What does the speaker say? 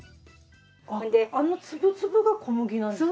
あの粒々が小麦なんですか。